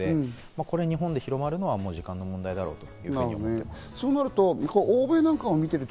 日本で広がるのも時間の問題だろうと考えられています。